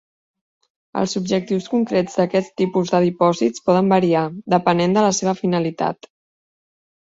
Els objectius concrets d'aquest tipus de dipòsits poden variar, depenent de la seva finalitat.